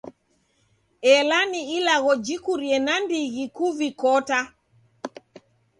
Ela ni ilagho jikurie nandighi kuvikota.